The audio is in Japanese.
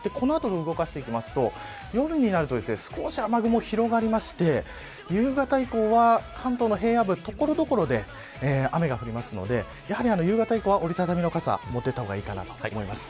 動かしていきますと、夜になると少し雨雲が広がりまして夕方以降は関東の平野部、所々で雨が降りますので、夕方以降は折り畳みの傘を持っていった方がいいと思います。